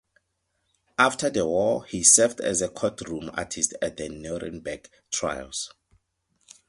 After the war, he served as a courtroom artist at the Nuremberg trials.